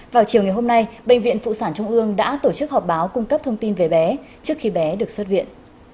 vào chiều ngày hôm nay bệnh viện phụ sản trung ương đã tổ chức họp báo cung cấp thông tin về bé trước khi bé được xuất viện